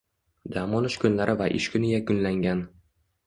Dam olish kunlari va ish kuni yakunlangan